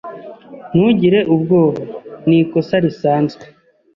Ntugire ubwoba. Ni ikosa risanzwe.